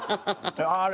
あれ？